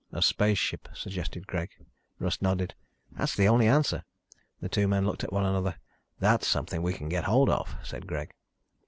"A spaceship," suggested Greg. Russ nodded. "That's the only answer." The two men looked at one another. "That's something we can get hold of," said Greg.